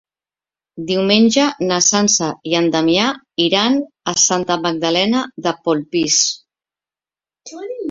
Diumenge na Sança i en Damià iran a Santa Magdalena de Polpís.